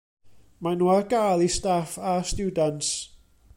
Mae nhw ar gael i staff a stiwdants.